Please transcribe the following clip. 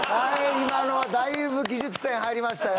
今のはだいぶ技術点入りましたよ